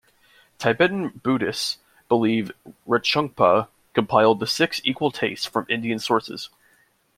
Tibetan Buddhists believe Rechungpa compiled "The Six Equal Tastes" from Indian sources.